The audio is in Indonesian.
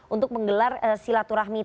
untuk menggelar silaturahmat